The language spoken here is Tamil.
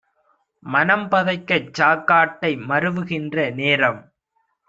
மனம்பதைக்கச் சாக்காட்டை மருவுகின்ற நேரம்